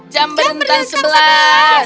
jam berdentang sebelas